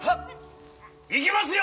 いきますよ。